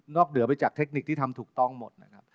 เหนือไปจากเทคนิคที่ทำถูกต้องหมดนะครับ